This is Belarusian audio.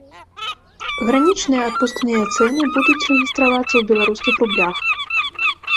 Гранічныя адпускныя цэны будуць рэгістравацца ў беларускіх рублях.